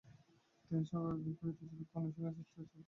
তিনি স্বভাবের বিপরীতে জীবিকা অন্বেষণের চেষ্টা চালাতে থাকেন।